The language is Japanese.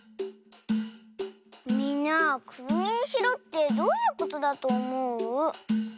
みんなくるみにしろってどういうことだとおもう？